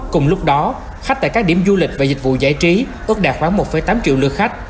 cùng lúc đó khách tại các điểm du lịch và dịch vụ giải trí ước đạt khoảng một tám triệu lượt khách